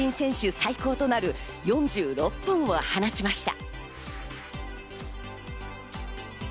最高となる４６本を放ちました。